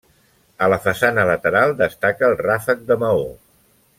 A la façana lateral destaca el ràfec de maó.